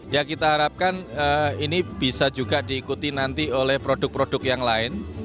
ya kita harapkan ini bisa juga diikuti nanti oleh produk produk yang lain